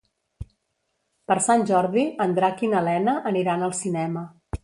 Per Sant Jordi en Drac i na Lena aniran al cinema.